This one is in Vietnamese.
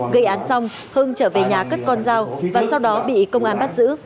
gây án xong hưng trở về nhà cất con dao và sau đó bị công an bắt giữ